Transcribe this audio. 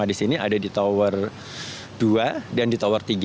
di sini ada di tower dua dan di tower tiga